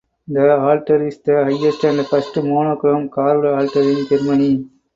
The altar is the highest and first monochrome carved altar in Germany.